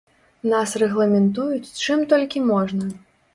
Нас рэгламентуюць чым толькі можна.